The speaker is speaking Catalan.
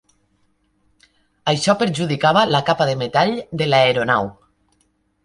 Això perjudicava la capa de metall de l'aeronau.